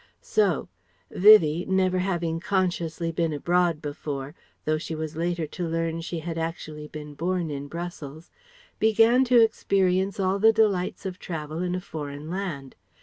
So: Vivie, never having consciously been abroad before (though she was later to learn she had actually been born in Brussels), began to experience all the delights of travel in a foreign land.